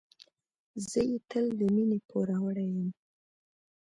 زه یې تل د مينې پوروړی یم.